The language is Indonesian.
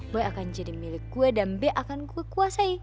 boy akan jadi milik gue dan be akan gue kuasai